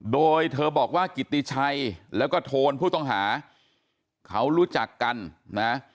โดยเธอบอกว่ากิติชัยแล้วก็โทนผู้ต้องหาเขารู้จักกันนะ